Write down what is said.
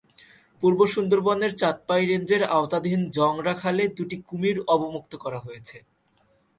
পূর্ব সুন্দরবনের চাঁদপাই রেঞ্জের আওতাধীন জংড়া খালে দুটি কুমির অবমুক্ত করা হয়েছে।